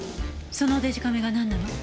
そのデジカメがなんなの？